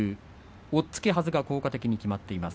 押っつけが効果的にきまっています。